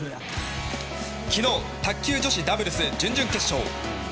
昨日、卓球女子ダブルス準々決勝。